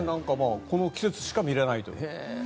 この季節しか見られないという。